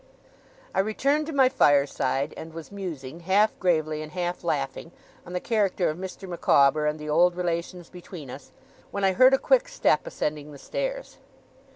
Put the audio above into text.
I returned to my fireside, and was musing, half gravely and half laughing, on the character of Mr. Micawber and the old relations between us, when I heard a quick step ascending the stairs.